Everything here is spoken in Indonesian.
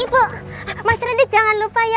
ibu mas rendy jangan lupa ya